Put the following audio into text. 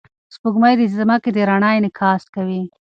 سپوږمۍ د ځمکې د رڼا انعکاس کوي.